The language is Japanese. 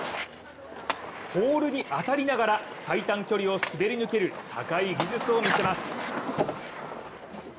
ポールに当たりながら、最短距離を滑り抜ける高い技術を見せます。